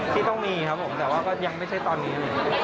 ที่ต้องมีครับผมแต่ว่าก็ยังไม่ใช่ตอนนี้เลย